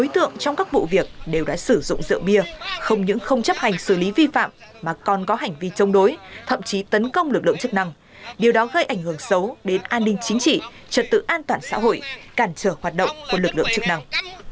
trong các vụ việc đều đã sử dụng rượu bia không những không chấp hành xử lý vi phạm mà còn có hành vi chống đối thậm chí tấn công lực lượng chức năng điều đó gây ảnh hưởng xấu đến an ninh chính trị trật tự an toàn xã hội cản trở hoạt động của lực lượng chức năng